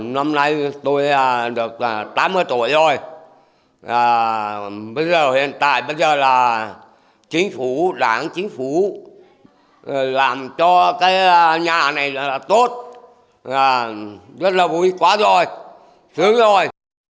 năm nay tôi được tám mươi tuổi rồi bây giờ hiện tại bây giờ là chính phủ đảng chính phủ làm cho cái nhà này đã tốt rất là vui quá rồi sướng rồi